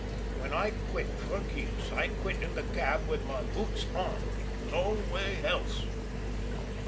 When I quit for keeps, I quit in the cab with my boots on no way else.